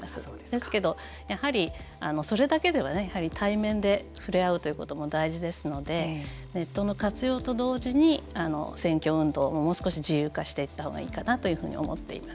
ですけど、やはりそれだけでは、やはり対面で触れ合うということも大事ですのでネットの活用と同時に選挙運動をもう少し自由化していったらいいかなと思います。